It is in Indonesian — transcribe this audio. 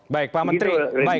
baik pak menteri